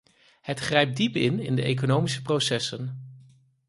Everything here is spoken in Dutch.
Het grijpt diep in in de economische processen.